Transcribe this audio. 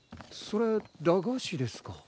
それ駄菓子ですか？